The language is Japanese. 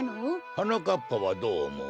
はなかっぱはどうおもう？